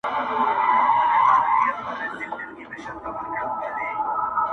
دردونه ژبه نه لري چي خلک وژړوم!